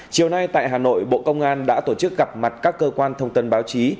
chiều nay tại hà nội bộ công an đã tổ chức gặp mặt các cơ quan thông tin báo chí